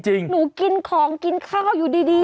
หนูกินของกินข้าวอยู่ดี